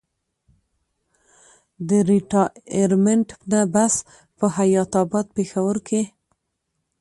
د ريټائرمنټ نه پس پۀ حيات اباد پېښور کښې